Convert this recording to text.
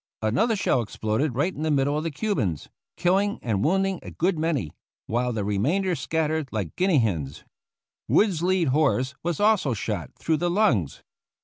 Another shell exploded right in the middle of the Cubans, killing and wounding a good many, while the remainder scat tered like guinea hens. Wood's led horse was also shot through the lungs.